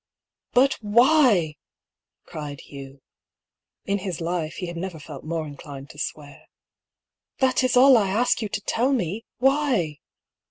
"But — why?" cried Hugh. (In his life, he had never felt more inclined to swear.) " That is all I ask you to tell me! Why?"